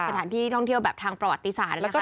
สถานที่ท่องเที่ยวแบบทางประวัติศาสตร์นะคะ